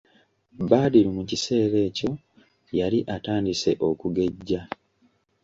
Badru mu kiseera ekyo yali atandise okugejja.